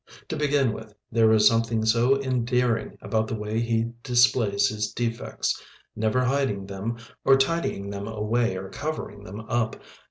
To begin with, there is something so endearing about the way he displays his defects, never hiding them or tidying them away or covering them up.